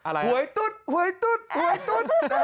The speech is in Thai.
หวยตุ๊ดหวยตุ๊ดหวยตุ๊ด